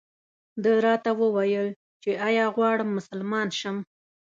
ده راته وویل چې ایا غواړم مسلمان شم.